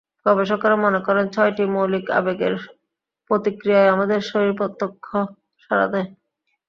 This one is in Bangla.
গবেষকেরা মনে করেন, ছয়টি মৌলিক আবেগের প্রতিক্রিয়ায় আমাদের শরীর প্রত্যক্ষ সাড়া দেয়।